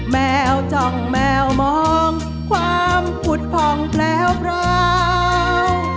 แมวจ้องแมวมองความผุดผ่องแพลว